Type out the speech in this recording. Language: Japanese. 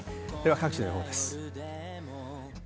各地の今日の予報です。